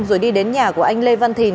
rồi đi đến nhà của anh lê văn thìn